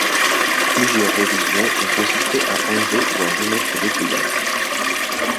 Plusieurs révisions on consister à enlever ou à remettre des couleurs.